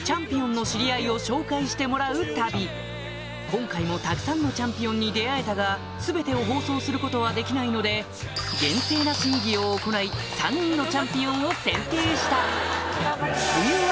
今回もたくさんのチャンピオンに出会えたが全てを放送することはできないので厳正な審議を行いというわけでハハハ。